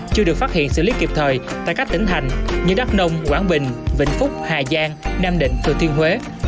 chưa được phát hiện xử lý kịp thời tại các tỉnh thành như đắk nông quảng bình vĩnh phúc hà giang nam định thừa thiên huế